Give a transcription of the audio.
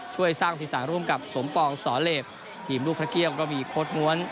ช่วยสร้างสีสันร่วมกับสมปองสอเหลบทีมลูกพระเกี่ยวก็มีโค้ดม้วน